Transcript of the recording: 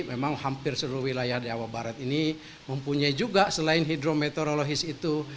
memang hampir seluruh wilayah di jawa barat ini mempunyai juga selain hidrometeorologis itu